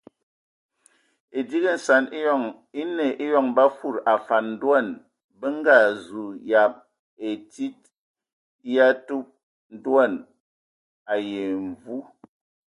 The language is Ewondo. Edigi nsan enə eyɔŋ ba fudi afan ndoan bə nga zu yab e tsid ya tub ndoan ai mvu.